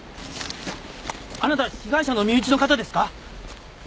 あなた被害者の身内の方ですか？